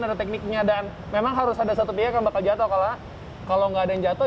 ada tekniknya dan memang harus ada satu pihak yang bakal jatuh kalau nggak ada yang jatuh